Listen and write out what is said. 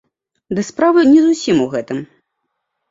Ды справа не зусім у гэтым.